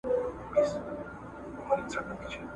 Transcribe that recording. مُلا پاچا وي چړي وزیر وي `